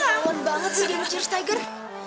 sangat banget sih game cheers tiger